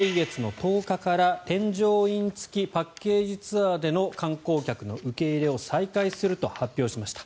外国人の観光客について来月の１０日から添乗員付きパッケージツアーでの観光客の受け入れを再開すると発表しました。